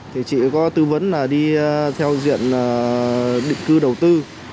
thì chị có tư vấn là đi theo diện định cư đầu tư